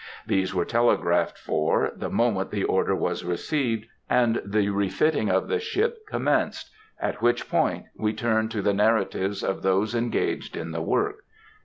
These were telegraphed for, the moment the order was received, and the refitting of the ship commenced,—at which point we turn to the narratives of those engaged in the work.